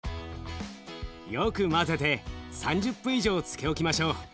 よく混ぜて３０分以上漬けおきましょう。